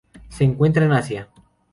Se encuentran en Asia.